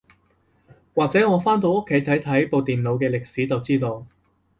或者我返到屋企睇睇部電腦嘅歷史就知道